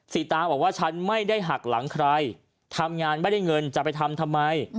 สีตาบอกว่าฉันไม่ได้หักหลังใครทำงานไม่ได้เงินจะไปทำทำไม